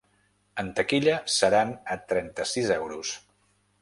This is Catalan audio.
En taquilla seran a trenta-sis euros.